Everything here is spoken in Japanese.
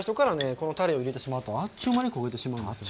このたれを入れてしまうとあっちゅう間に焦げてしまうんですよね。